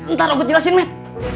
ntar aku jelasin matt